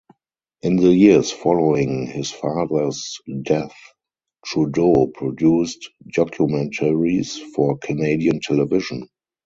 In the years following his father's death, Trudeau produced documentaries for Canadian television.